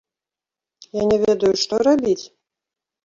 Я не ведаю, што рабіць?